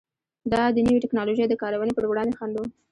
دا د نوې ټکنالوژۍ د کارونې پر وړاندې خنډ و.